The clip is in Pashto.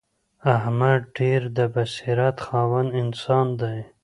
احمد ډېر د بصیرت خاوند انسان دی.